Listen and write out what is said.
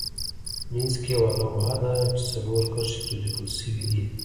منځ کې یوه لوحه ده چې څلور کرښې پرې لیکل شوې دي.